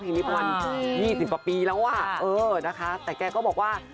นี้ประมาณ๒๐กว่าปีแล้วอ่ะเออนะคะแต่แกก็บอกว่า